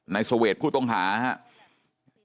ในสัวร์ทผู้ต้องหาฮะ